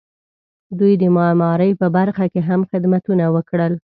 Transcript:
دوی د معمارۍ په برخه کې هم خدمتونه وکړل.